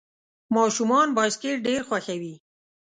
ماشومان بایسکل ډېر خوښوي.